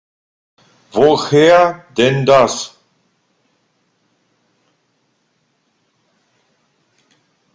Woher denn das?